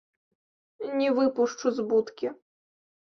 Не выпушчу з будкі.